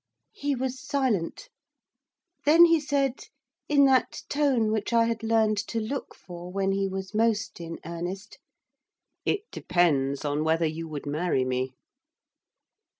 He was silent. Then he said, in that tone which I had learned to look for when he was most in earnest, 'It depends on whether you would marry me.